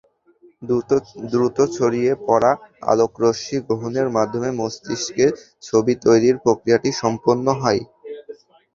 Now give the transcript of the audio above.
দ্রুত ছড়িয়ে পড়া আলোকরশ্মি গ্রহণের মাধ্যমে মস্তিষ্কে ছবি তৈরির প্রক্রিয়াটি সম্পন্ন হয়।